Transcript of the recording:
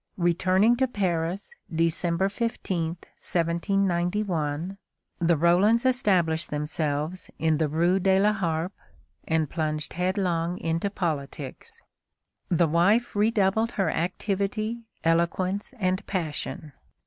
Returning to Paris, December 15, 1791, the Rolands established themselves in the rue de la Harpe, and plunged head long into politics. The wife redoubled her activity, eloquence, and passion.